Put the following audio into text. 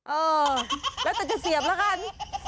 เออแล้วแต่จะเสียบแล้วกัน